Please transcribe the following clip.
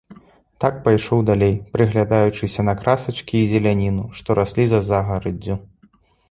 Так пайшоў далей, прыглядаючыся на красачкі і зеляніну, што раслі за загараддзю.